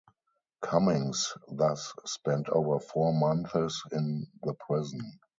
Cummings thus spent over four months in the prison.